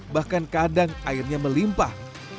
bahkan kadang airnya melimpah